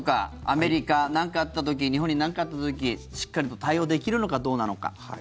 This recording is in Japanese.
アメリカ、なんかあった時日本になんかあった時しっかりと対応できるのかどうなのか。